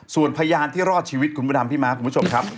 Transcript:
ส่วนพยานที่รอดชีวิตคุณพระดำพี่ม้าคุณผู้ชมครับ